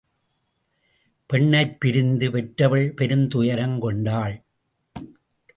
பெண்ணைப் பிரிந்த பெற்றவள் பெருந் துயரங்கொண்டாள்.